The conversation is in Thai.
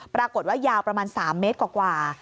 ปรากฏว่ายาวประมาณ๓เมตรกว่า